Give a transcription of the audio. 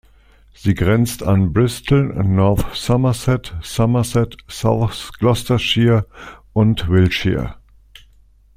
Sie grenzt an Bristol, North Somerset, Somerset, South Gloucestershire und Wiltshire.